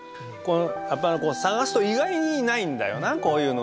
やっぱ探すと意外にないんだよなこういうの。